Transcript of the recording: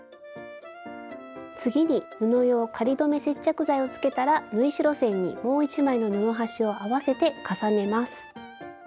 次に布用仮留め接着剤をつけたら縫い代線にもう一枚の布端を合わせて重ねます。